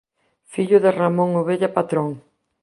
Fillo de Ramón Obella Patrón.